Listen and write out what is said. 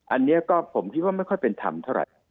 อันนี้ก็ผมคิดว่าไม่ค่อยเป็นธรรมเท่าไหร่